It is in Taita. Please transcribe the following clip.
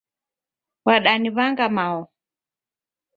Wadaniw'anga mao.